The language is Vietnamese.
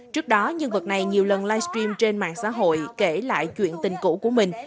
trước đó nhân vật này nhiều lần livestream trên mạng xã hội kể lại chuyện tình cũ của mình